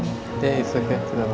menjadi lawan nino